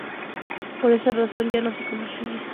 Por esa razón, ya no se comercializa la forma oral del fármaco.